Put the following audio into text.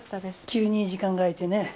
急に時間が空いてね。